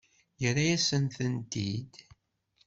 Yerra-yasent-tent-id?